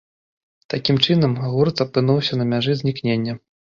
Такім чынам, гурт апынуўся на мяжы знікнення.